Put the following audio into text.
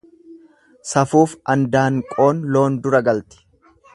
Safuuf andaanqoon loon dura galti.